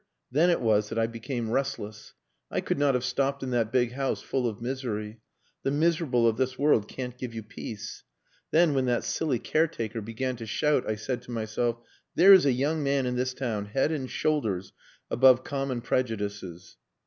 Then it was that I became restless. I could not have stopped in that big house full of misery. The miserable of this world can't give you peace. Then when that silly caretaker began to shout, I said to myself, 'There is a young man in this town head and shoulders above common prejudices.